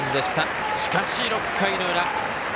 しかし、６回の裏。